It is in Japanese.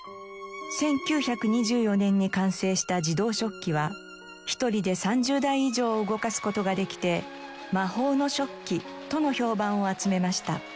１９２４年に完成した自動織機は１人で３０台以上を動かす事ができて魔法の織機との評判を集めました。